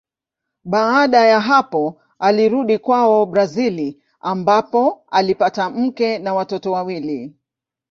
Baada ya hapo alirudi kwao Brazili ambapo alipata mke na watoto wawili.